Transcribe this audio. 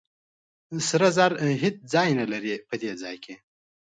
سرو زرو هېڅ ځای نه لري په دې ځای کې.